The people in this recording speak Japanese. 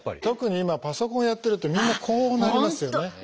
特に今パソコンやってるとみんなこうなりますよね。